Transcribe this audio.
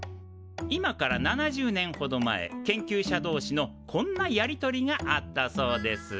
今から７０年ほど前研究者同士のこんなやり取りがあったそうです。